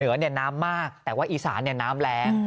เหนือน้ำมากแต่ว่าอีสานน้ำแรง